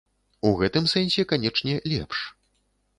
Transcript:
У гэтым сэнсе, канечне, лепш.